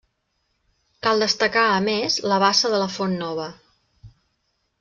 Cal destacar, a més, la Bassa de la Font Nova.